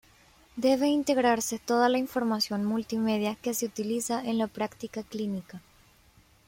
Debe integrarse toda la información multimedia que se utiliza en la práctica clínica.